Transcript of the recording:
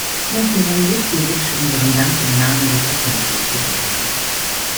Ich möchte Herrn Łuckiewicz unseren Dank im Namen des Rechnungshofs überbringen.